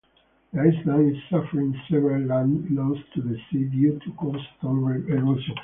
The island is suffering severe land loss to the sea due to coastal erosion.